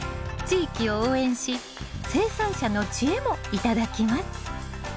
地域を応援し生産者の知恵も頂きます。